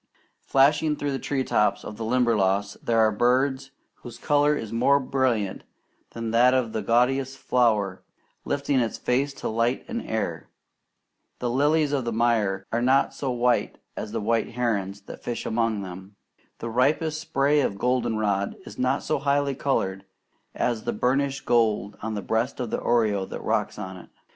Flashing through the tree tops of the Limberlost there are birds whose colour is more brilliant than that of the gaudiest flower lifting its face to light and air. The lilies of the mire are not so white as the white herons that fish among them. The ripest spray of goldenrod is not so highly coloured as the burnished gold on the breast of the oriole that rocks on it.